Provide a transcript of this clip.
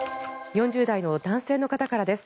４０代の男性の方からです。